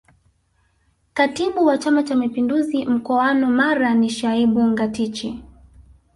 Katibu wa Chama cha Mapinduzi mkoanu Mara ni Shaibu Ngatiche